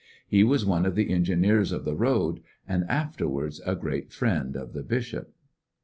He was one of the engineers of the road, and afterwards a great friend of the bishop.